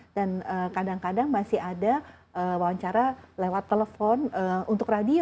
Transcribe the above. dan kadang kadang masih ada wawancara lewat telepon untuk radio